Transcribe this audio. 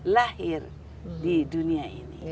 lahir di dunia ini